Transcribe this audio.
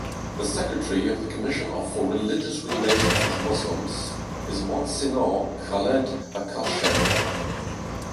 The Secretary of the Commission for Religious Relations with Muslims is Monsignor Khaled Akashed.